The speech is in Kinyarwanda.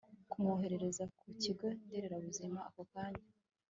kumwohereza ku kigo nderabuzima ako kanya